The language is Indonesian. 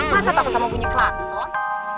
masa takut sama punya klakson